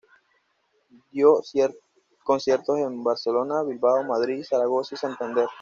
Dio conciertos en Barcelona, Bilbao, Madrid, Zaragoza y Santander.